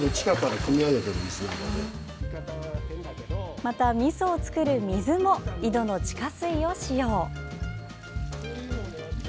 また、みそを作る水も井戸の地下水を使用。